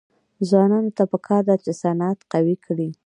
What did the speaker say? ځوانانو ته پکار ده چې، صنعت قوي کړي.